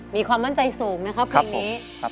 มีความมั่นใจสูงนะครับเพลงนี้